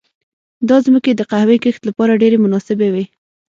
دا ځمکې د قهوې کښت لپاره ډېرې مناسبې وې.